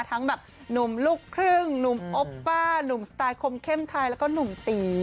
ทั้งแบบหนุ่มลูกครึ่งหนุ่มโอปป้านุ่มสไตล์คมเข้มไทยแล้วก็หนุ่มตี